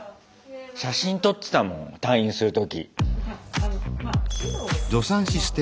写真撮ってたもん退院する時。